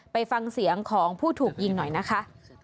ไปฟังเสียงของผู้ถูกยิงหน่อยนะคะ